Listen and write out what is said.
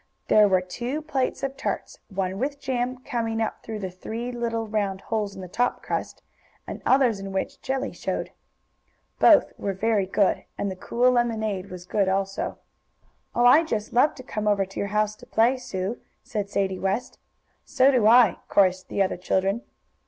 There were two plates of tarts, one with jam coming up through the three little round holes in the top crust, and others in which jelly showed. Both were very good. And the cool lemonade was good also. "Oh, I just love to come over to your house to play, Sue!" said Sadie West. "So do I!" chorused the other children.